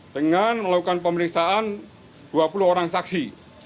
dengan melakukan pemeriksaan dua puluh orang saksi